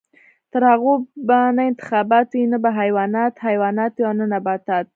تر هغو به نه انتخابات وي، نه به حیوانات حیوانات وي او نه نباتات.